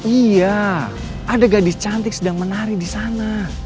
iya ada gadis cantik sedang menari di sana